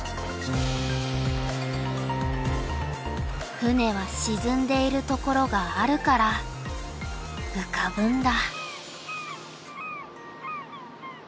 船はしずんでいる所があるから浮かぶんだ。